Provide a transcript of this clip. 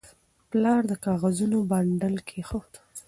پلار د کاغذونو بنډل کېښود.